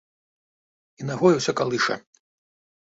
І нагой усё калыша.